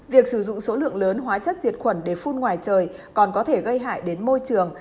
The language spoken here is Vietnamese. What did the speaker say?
việc sử dụng số lượng lớn hóa chất diệt khuẩn để phun ngoài trời còn có thể gây hại đến môi trường